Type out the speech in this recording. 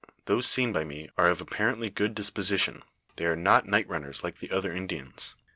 Those seen by me are of apparently good disposi tion ; they are not night runners like the other Indians.